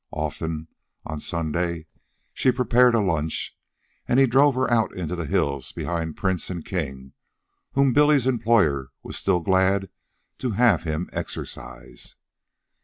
Often, on Sunday, she prepared a lunch, and he drove her out into the hills behind Prince and King, whom Billy's employer was still glad to have him exercise.